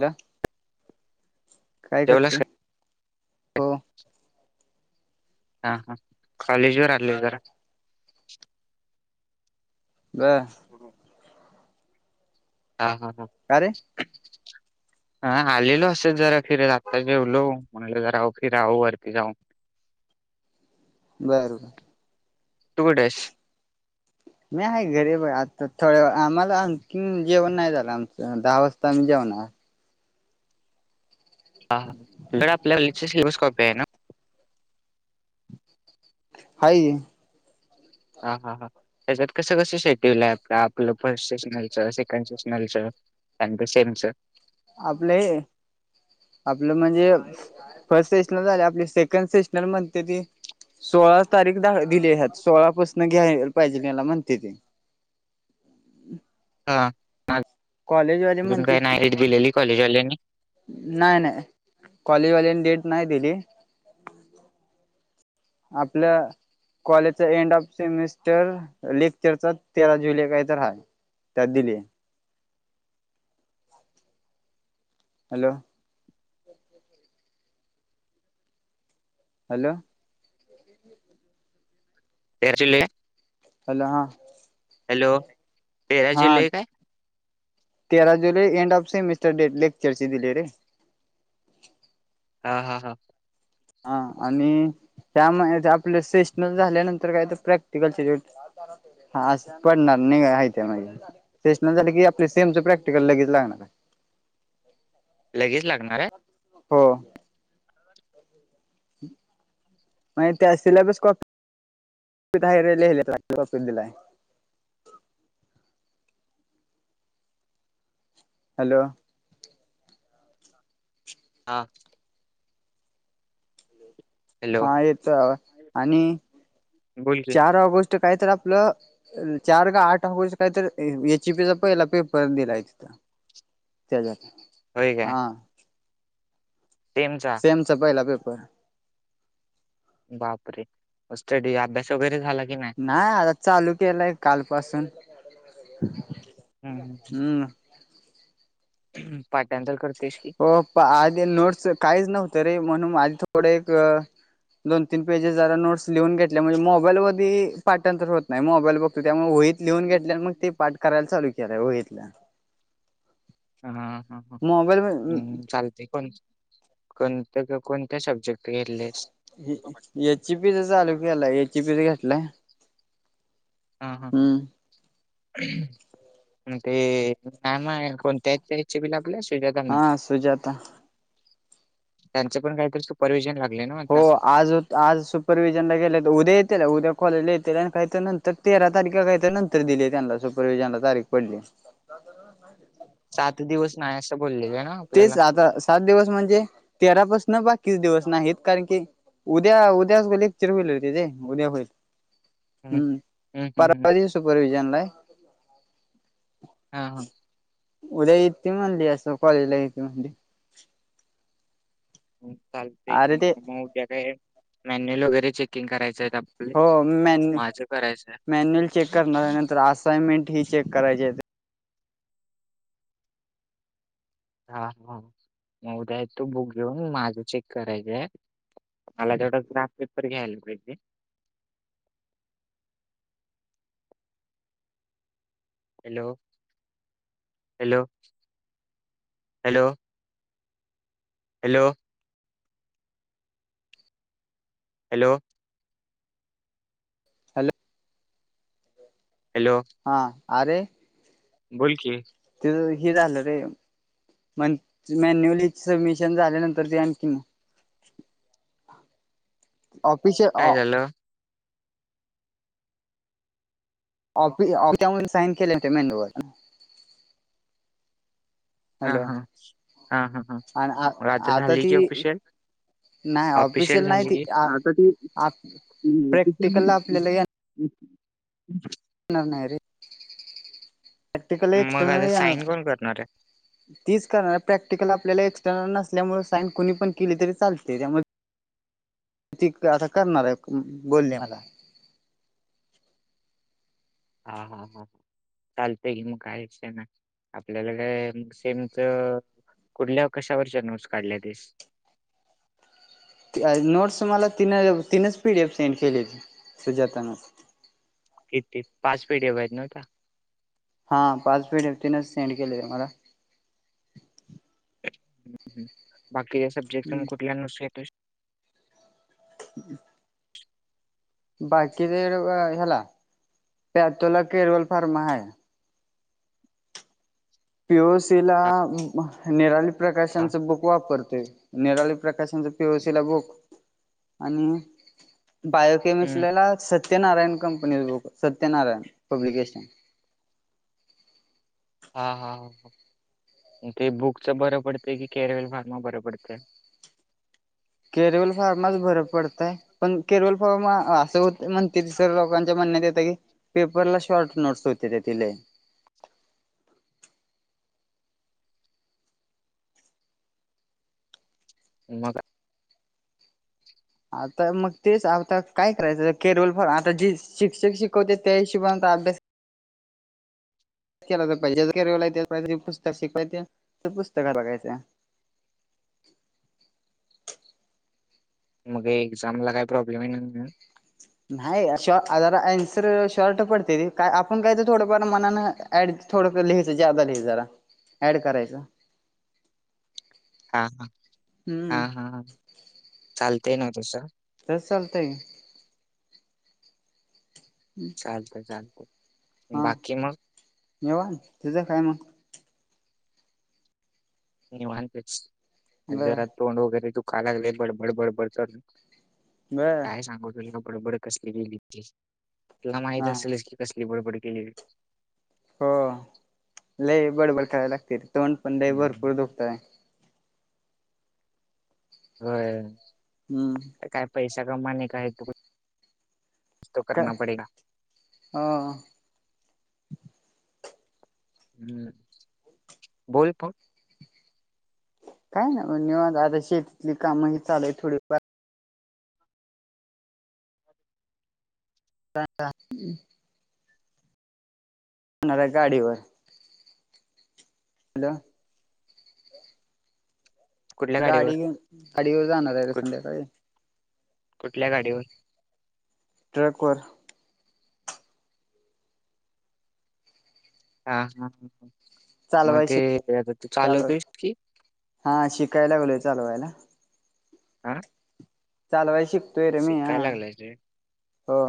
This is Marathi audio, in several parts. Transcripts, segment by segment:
ल्या काय करते जेवलास हो. [inaudible] हा हा कॉलेज वर आलोय जरा. गस हा हा हां. का रे ह आलेलो अस जरा फिर आत्ता जेवलो म्हणालं जरा फिराव वरती जाव. बरोबर तु कुठेसं? मी आहे घरीच आता थोड्या आम्हाला आणखी जेवण नाही झालं आमचं दहा वाजता आम्ही जेवणार. हा हा दर आपल्या [unintelligible] सिलेबस कॉपी आहे ना. हाय ते हा हा हा. त्याच्यात कसं कसं शेड्यूल आहे आपलं आपलं फर्स्ट सेशनलचं सेकंड सेशनलचं. [unintelligible] आपल्याहे. आपलं म्हणजे फर्स्ट सेशनर झाले आपली सेकंड सेशनर म्हणते ती सोळा तारीख ढाल दिल्या ह्यात सोळापासून घ्यायला पाहिजे याला म्हणते ते. हा [inaudible] कॉलेजवाले अजून म्हणते काय नाय एड दिलेली कॉलेज वाल्यांनी. नाय नाय कॉलेजवाल्याने डेट नाही दिली. आपल्या कॉलेजचा एंड ऑफ सेमिस्टर लेक्चरचा तेरा जुलै काही तर हाय. त्यात दिली आहे. हॅलो. हॅलो. क ह्याचीले. हॅलो हा. हॅलो. तेरा हा जुलै काय? तेरा जुलै एंड ऑफ सेमिस्टर डेट लेक्चरची दिले रे. हा हा हा. हा आणि त्यामुळे आपलं सेशनल झाल्यानंतर काय तर प्रॅक्टिकलचे हास पडणार निघ आहे त्या मागे. सेश झाले की आपल्या सेमच प्रॅक्टिकल लगेच लागणार आहे. लगेच लागणार आहे? हो. माय त्या सिलेबस कॉप तिथं हाय राहिलेय लिहियलेत कॉफीन दिला आहे. हॅलो. हां. हॅलो हा येतोय आणि, बोल की चार ऑगस्ट काय तर आपल. चार काय आठ हो इस काय तर एचपी चा पहिला पेपर दिलाय तिथं. तेच्यात होय आ. तेनचा. चापहिला पेपर. बापरे स्टडी अभ्यास वगैरे झाला की नाय. नाही आता चालू केलंय, काल पासून हं, हम्म. पठाणतर करतोइस की. प आधी नोट्स काहीच नव्हतं रे. म्हणून माझी थोडं एक, दोन तीन पेजेस जरा नोट्स लिहून घेतल्या म्हणजे मोबाईल वरती पाठांंतर होत नाही मोबाईल बघ तू त्यामुळे वळीत लिहून घेतल्या आणि मग ते पाठ करायल चालू केलंय वहीतल. हा ह मोबाईल ह्, चालते कोण कोणत कोणत्या सब्जेक्ट. घेतलेस? एची पीच चालू केला एचीपीच घेतलाय. हा हा हा. हम्म ते नाही म कोणत्या त्याचे बी लागल्यास. त्याचाकडणच हा सुजाता त्यांच पण काहीतर सुपरवि्हजन लागलय न्हवा हो आता. आज होत आज सुपरवि्हिजनला गेले तर उद्या येतील उद्या कॉलेजला येतील आणि काहीत नंतर. तेरा तारीखीला काहीतर नंतर दिलिये त्यांला सुपरवि्हजनला तारीख पडलीये. सगळ नऊ घेतले. सात दिवस नाही असं बोललेलं ना आपल्याला. आता सात दिवस म्हणजे, तेरापासून बाकीच दिवस नाही कारण की. उद्या उद्याच ग लेक्चर होईल, होती ये उद्या होईल. हं, हम्म हं, हं, हं. परवा देवास सुपरविजनलाय. हा हा. उद्या येते म्हणली असं कॉलेजला येते म्हणली. चालते अरे की, ते मग उद्या काय मॅन्युल वगैरे चे, कुकिंग करायच आहेत आपले हो मॅन्यु माझं करायचं हाय. मॅन्युअल चेक करणारऱ्या नंतर असायमेंट ही चेक करायचे. हा हा म उद्या येतो बुक घेऊन माझं चेक करायचं हाय. मला तेवढंच ग्राफ पेपर घ्यायला पाहिजे. Hello hello hello. Hello. Hello. Hello. Hello. हा, अरे. बोल की. ते हे झालं रे मंथ मॅन्युअली सबमिशन झाल्यानंतर ते आणखीन. ऑफिश काय ऑ झालं ऑफ ऑफि साईन केले [inaudible] मेन्यूवर. हा हॅलो हा हा हा ह आणि मग आता झाली की, अपिशल. नाही ऑफिशियल नाही ती झाले. [unintelligible] प्रॅक्टिकलला हम्म् आपल्याला [inaudible] णार नाय रे. टिकले एक्स्ट्रा मग आता नाही जाणार. साईन कोण करणार आहे तीच करणार प्रॅक्टिकल आपल्याला एक्स्टर्नल नसल्यामुळे सायन कोणी पण केली तरी चालते त्यामुळे ती आता करणार आहे बोली मला. हा हा हा. चालतंय की मग काय विषय नाही, आपल्याला काय सेमच. कुठल्या काशावरच्या नोट्स काढल्यातीस. [inaudible] नोट्स मला तीन तीनच पीडीएफ सेंड केलेली सुजाता न. किती पाच पीडीएफ आहेत नव्हत्या. हा पाच फीटवतीनच सेंड केले आहे मला. बाकी या सब्जेक्ट तेन कुठल्या नोट्स घेतोयस. हम् बाकीच [unintelligible] ह्याला पाटोला केरवल हा फार्मा हाय. पी ओ सी ला म निराली प्रकाशांचा बुक वापरतोय निराली प्रकाशांच पीओसी ला बुक आणि हम्म बायोकमिस्ट्रीला Satyanarayan company book Satyanarayan publication. हा हा ते बुकच बरं पडतंय की कॅरवेल फार्मा बरं पडतय. केरवल फार्माच बरं पडतय. पण केरवळ फॉर्म असं होत म्हणते तिसरं लोकांच्या म्हणण्यात येतं की पेपरला शॉर्ट नोट्स होते तेचे लेह मागा आता मग तेच आता काय करायचं केरल फॉर आता जी शिक्षक शिकवते त्या हिशोबचा अभ्यास [inaudible] केला तर पाहिजे जहिजे पुस्तक शिकवायचे तर पुस्तक बघायचं. मग एक्झाम ला काही प्रॉब्लेम आहे नाय ना? नाही शॉ जरा अन्सर शॉर्ट पडते रे काय आपण काय तर थोडंफार मनानं ऍड [inaudible] थोडसं लिहायचं ज्यादा लिह जरा ऍड करायचं. हा हा हा हम्म हा चालतय ना तसं. तस चालतंय. [inaudible] चालतं चालतं हा बाकी मग? निवांत तुझं काय मग. निवांत आहे आज बर जरा तोंड वगैरे दुखा लागलेय बडबड बडबड करून. बर काय सांगव तुला बडबड कसली गेली होती तुला माहित हा असेलच की. कसली बडबड केलेली. हो लई बडबड कराय लागते रे तोंड पण लई हम्म भरपूर दुखतय. होय. हम्म. आता पैशा कमाणे का हे तो कुछ तो करना पडेगा. हां. हम्म बोल फ काय ना मग निवांत आता शेतीतली काम ही चालु हैत थोडीफार. [inaudible] होणार आहे गाडीवर. हॅलो. कुठल्या गाडीवर गाडी घेऊन गाडी घेऊ जाणार आहे रे कुठ संध्याकाळी. कुठल्या गाडीवर ट्रॅक वर. हा हा मग चालवाय ते शिक [unintelligible] तू चालव चालवतोस की. हा शिकाय लागलोय चालवायला. [unintelligible] चालवाय शिकतोय रे, मी हा शिकायला लागलायस रे. हो.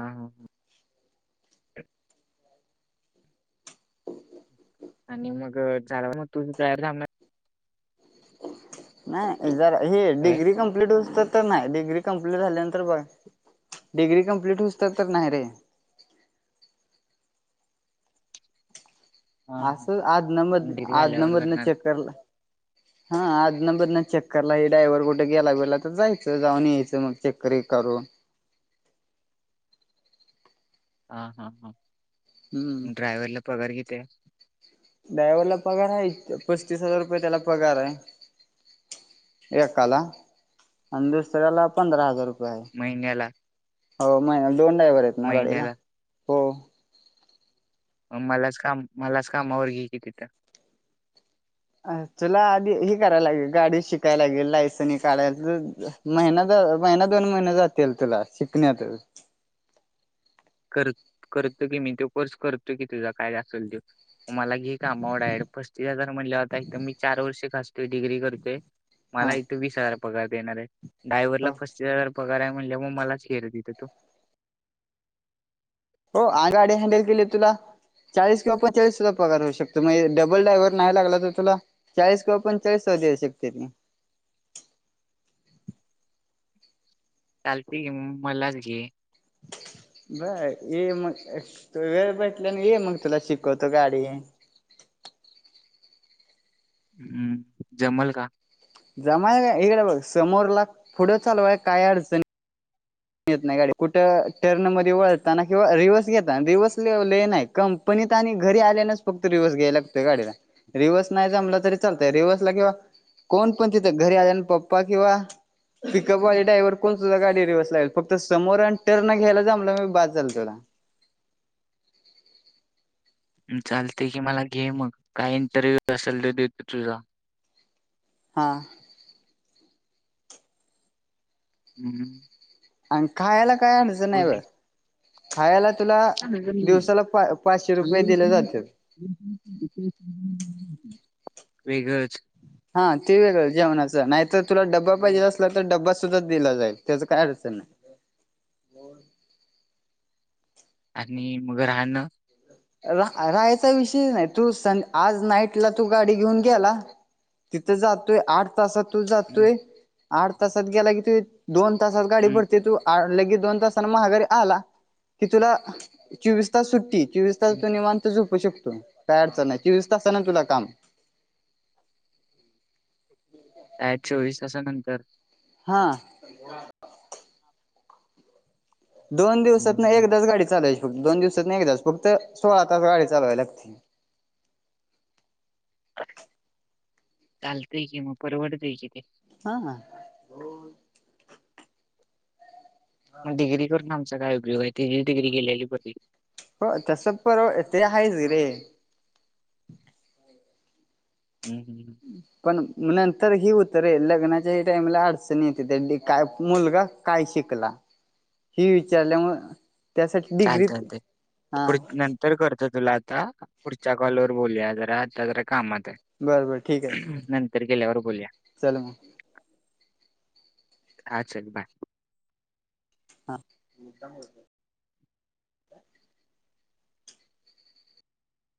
हा हा हा. आणि मग चलावा मग तुझे पयर थांबणार. नाही जरा हे काय? डिग्री कंप्लीट हूसतर. तर नाही डग्री कंप्लीट झाल्यानंतर बघ, डिग्री कंप्लीट होसत तर नाही रे. हां, हां. असं आज नमद डिग्री आज झाल्यावर नमदने करणार. चेक करला. हा आदल बदल चक्करलाही डायव्हर कुठे गेला, गेला तर जायचं जाऊन यायचं मग चक्कर एक करून. हा हा हा, हम्म ड्रायव्हरला पगार किती. ड्रायव्हरला पगार आहे. पस्तीस हजार रुपये त्याला पगार आहे. एकाला आणि दुसऱ्याला पंधरा हजार रुपये. महिन्याला, बरं हो मय दोन डायव्हर आहेत ना गाडीला महिन्याला. हो. मलास काम मलास कामवर घे की तिथं. अ तुला आधी ह करायला लागेल, गाडी शिकायला लागेल लायसन काढायच. महिना द महिना दोन महिने जातील, तुला शिकण्यातचं. कर करतो की मी तो कोर्स करतो की तुझा काय असेल त्यो. मला घे कामं आवडा आहेड पस्तीस हजार म्हणले होता एक तर मी चार वर्ष घासतोय डिग्री करतोय. हा मला इथे वीस हजार पगार देणार आहेत, ड्रायव्हरला हो पस्तीस हजार पगार आहे. म्हणजे मग मलाच फेर देत तो. हो आ गाडी हँडल केले तुला. चाळीस किंवा पंचेचाळीस सुधा पगार होऊ शकतो. मग‌ डबल डायव्हर नाही टाकला तुला. चाळीस किलो पण चाळीस सौ देऊ शकतेत म. चालते की गं मलाच घे. बर ये मग एक्स्ट्रा वेळ भेटला ना ये मग तुला शिकवतो. हम्म जमलं का, जमाय काय हिकडं बघ, समोर ला पुढं चालवाय काय अडचण येत नाही गाडी कुठं टर्न मध्ये वळताना किंवा रिव्हर्स घेताना रिव्हर्सले लेन आहे कम पण इथं आणि घरी आल्यानच फक्त रिव्हस घ्याल लागतोय गाडीला. रिव्हस नाही जमला तरी चालतंय. रिव्हर्स ला किंवा, कोण पण तिथं घरी आल्या आणि पप्पा किंवा पिकअपवाले डायव्हर कोण सुद्धा गाडी रिव्हर्स ला फक्त समोर आणि टर्न घ्यायला जमलं म बस झालं तुला. चालते कि मला घे मग, काय इंटरव्ह्यू असेल तर देतो तुझा. हा. हम्म. आणि खायला काय आणायचं नाय बोल ब. की. खायला तुला दिवसाला पा पाचशे रुपये दिले जाते. [inaudible] वेगळच हा ते वेगळं जेवणाचं नाही, तर तुला डब्बा पाहिजे असला तर डब्बा सुद्धा दिला जाईल. त्याच काय अडचण नाही. आणि मग राहणं रा राहायचा विषय नाही. तू सांग आज नाईट ला तू गाडी घेऊन गेला. तिथं जातोय आठ, तासात तू हम्म जातोय, आठ तासात गेला की तु दोन तासात गाडी हम्म भरते तू. लगे दोन तासांना महाघारी आला की तुला चोवीस तास सुट्टी चोवीस तल हम्म निवांत झोपू शकतोय. काय अडचण नाही. चोवीस तासाना तुला काम. आय चोवीस तासानंतर हां [inaudible] दोन दिवसातन हम्म एकदाच गाडी चालावायची फक्त दोन दिवसातन एकदाच फक्त सोळा तास गाडी चालवय लागते. चालतंय कि मग परवडतय कि ते. हा हां. डिग्री करून आमचा काय उपयोग आहे ती बी डिग्री गेलेली पती प तस परव ते आहेच रे, हम हम. पण नंतर हे होतं रे, लग्नाच्या टाइमला अडचणी येते त्या काय मुलगा. काय शिकला, हि विचारल्यामुळे. त्यासाठी डिग्री हा. तर करतंय तुला आता पुढच्या कॉलवर बोलूया जरा आता जरा कामात हाय. बरं बरं ठीक आहे नंतर गेल्यावर बोलूया. चल मग हां चल बाय. हां.